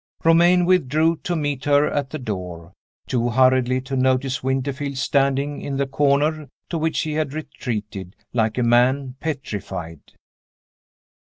Romayne withdrew, to meet her at the door too hurriedly to notice Winterfield standing, in the corner to which he had retreated, like a man petrified.